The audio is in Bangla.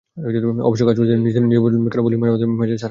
অবশ্য কাজ করতে গিয়ে নিজেরাই বুঝবেন, কেন পুলিশ মাঝেমধ্যে মেজাজ হারায়।